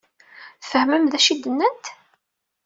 Tfehmem d acu i d-nnant?